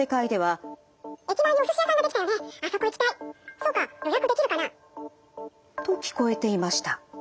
「そうか予約できるかな」。と聞こえていました。